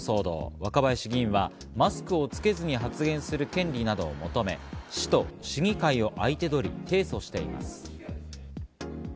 若林議員はマスクをつけずに発言する権利などを求め、市と市議会を相手取り提訴しています。